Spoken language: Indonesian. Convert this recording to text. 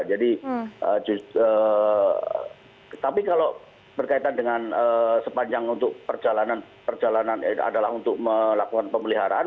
jadi tapi kalau berkaitan dengan sepanjang untuk perjalanan adalah untuk melakukan pemeliharaan